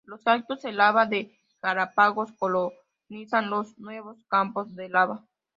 Los cactus de lava de Galápagos colonizan los nuevos campos de lava.